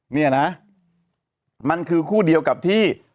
เนี่ยนะมันคือคู่เดียวกับที่